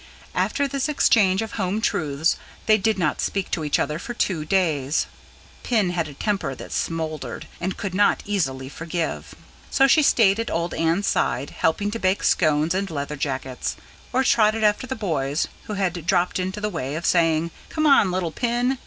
After this exchange of home truths, they did not speak to each other for two days: Pin had a temper that smouldered, and could not easily forgive. So she stayed at old Anne's side, helping to bake scones and leatherjackets; or trotted after the boys, who had dropped into the way of saying: "Come on, little Pin!"